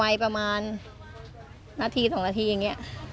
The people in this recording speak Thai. ประมาณนาที๒นาทีอย่างนี้